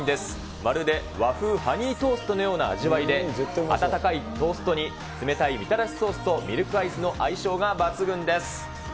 まるで和風ハニートーストのような味わいで、温かいトーストに、冷たいみたらしソースとミルクアイスの相性が抜群です。